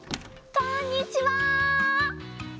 こんにちは！